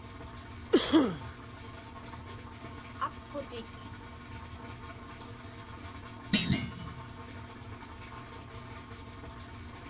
apqutit